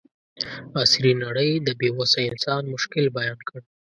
عصري نړۍ د بې وسه انسان مشکل بیان کړ.